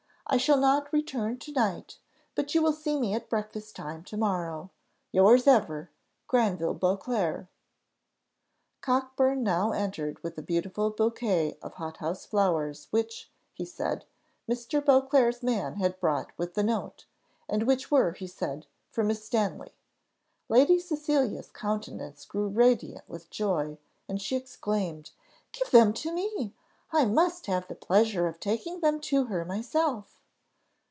I shall not return to night, but you will see me at breakfast time to morrow. Yours ever, GRANVILLE BEAUCLERC." Cockburn now entered with a beautiful bouquet of hot house flowers, which, he said, Mr. Beauclerc's man had brought with the note, and which were, he said, for Miss Stanley. Lady Cecilia's countenance grew radiant with joy, and she exclaimed, "Give them to me, I must have the pleasure of taking them to her myself."